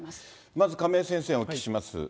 まず亀井先生にお聞きします。